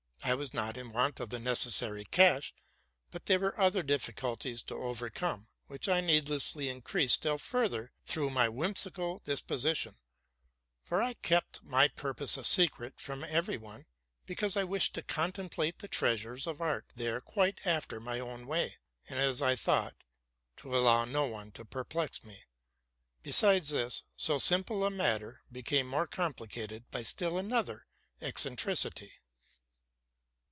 I was not in want of the necessary cash: but there were other difficulties to over: come, which I needlessly increased still further, through my whimsical disposition ; for I kept my purpose a secret from every one, because I wished to contemplate the treasures of art there quite after my own way, and, as I thought, to allow no one to perplex me. Besides this, so simple a mat ter became more complicated by still another eccentricity.